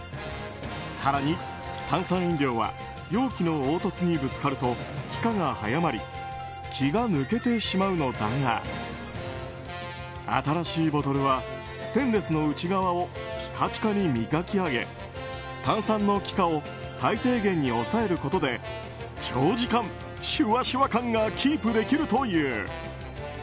更に炭酸飲料は容器の凹凸にぶつかると気化が早まり気が抜けてしまうのだが新しいボトルはステンレスの内側をピカピカに磨き上げ炭酸の気化を最低限に抑えることで長時間、シュワシュワ感がキープできるという。